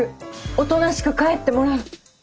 おとなしく帰ってもらう。